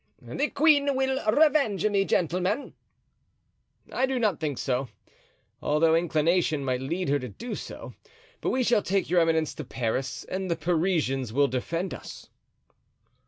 "The queen will revenge me, gentlemen." "I do not think so, although inclination might lead her to do so, but we shall take your eminence to Paris, and the Parisians will defend us."